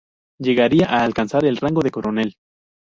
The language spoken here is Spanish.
Llegaría a alcanzar el rango de coronel.